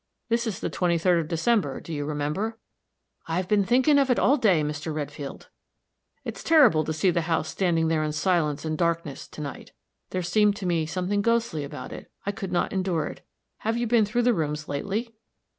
This is the twenty third of December, do you remember?" "I've been thinkin' of it all day, Mr. Redfield." "It's terrible to see the house standing there in silence and darkness, to night. There seemed to me something ghostly about it I could not endure it. Have you been through the rooms lately?"